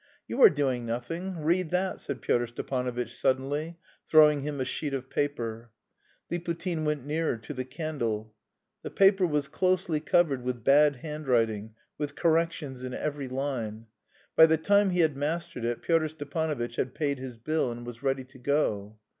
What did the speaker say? "You are doing nothing; read that," said Pyotr Stepanovitch suddenly, throwing him a sheet of paper. Liputin went nearer to the candle. The paper was closely covered with bad handwriting, with corrections in every line. By the time he had mastered it Pyotr Stepanovitch had paid his bill and was ready to go.